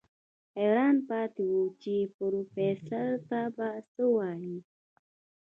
حيران پاتې و چې پروفيسر ته به څه وايي.